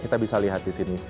kita bisa lihat disini